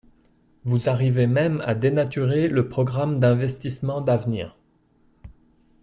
Vous arrivez même à dénaturer le programme d’investissement d’avenir